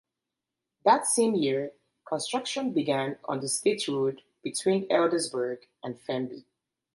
That same year, construction began on the state road between Eldersburg and Fenby.